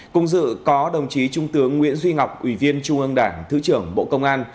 cùng dự có đồng chí trung tướng nguyễn duy ngọc ủy viên trung ương đảng thứ trưởng bộ công an